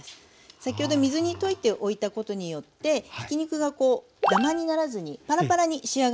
先ほど水に溶いておいたことによってひき肉がこうダマにならずにパラパラに仕上がるんですね。